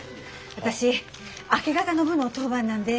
私明け方の部の当番なんで。